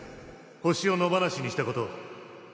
ホシを野放しにしたことを